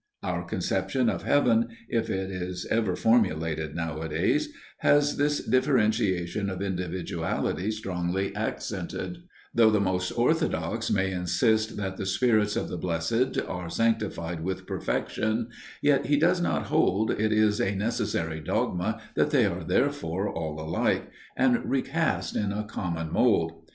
Our conception of Heaven, if it is ever formulated nowadays, has this differentiation of individuality strongly accented; though the most orthodox may insist that the spirits of the blessed are sanctified with perfection, yet he does not hold it as a necessary dogma that they are therefore all alike, and recast in a common mould.